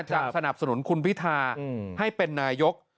สนับสนุนคุณพิทาให้เป็นนายก